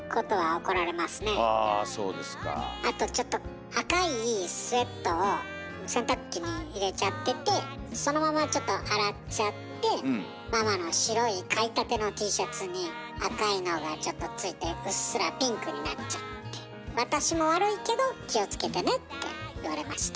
あとちょっと赤いスウェットを洗濯機に入れちゃっててそのままちょっと洗っちゃってママの白い買いたてのＴシャツに赤いのがちょっとついてうっすらピンクになっちゃって。って言われました。